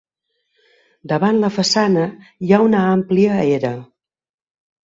Davant la façana hi ha una àmplia era.